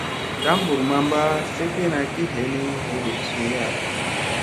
Tambur mamma tlegina ki henii huruɗ suuya.